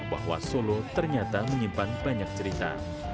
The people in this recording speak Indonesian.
bahwa solo ternyata menyimpan banyak cerita